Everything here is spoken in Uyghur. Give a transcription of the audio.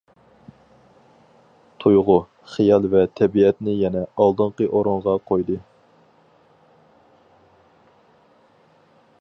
تۇيغۇ، خىيال ۋە تەبىئەتنى يەنە ئالدىنقى ئورۇنغا قويدى.